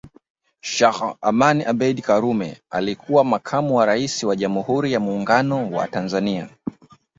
Sheikh Abeid Amani Karume alikuwa Makamu wa Rais wa Jamhuri ya Muungano wa Tanzania